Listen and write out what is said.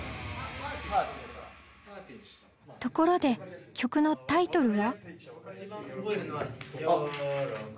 ところで曲のタイトルは？